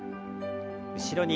後ろに。